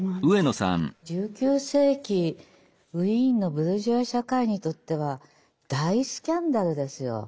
１９世紀ウィーンのブルジョワ社会にとっては大スキャンダルですよ。